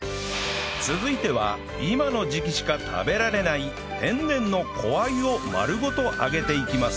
続いては今の時期しか食べられない天然の小鮎を丸ごと揚げていきます